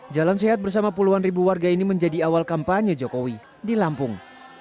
jalan sehat bersama puluhan ribu warga ini menjadi awal kampanye jokowi di lampung